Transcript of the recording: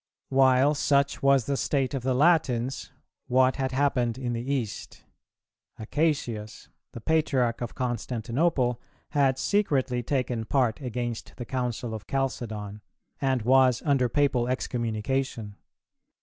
While such was the state of the Latins, what had happened in the East? Acacius, the Patriarch of Constantinople, had secretly taken part against the Council of Chalcedon and was under Papal excommunication.